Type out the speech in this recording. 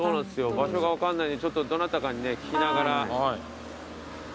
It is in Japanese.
場所が分かんないんでちょっとどなたかにね聞きながら。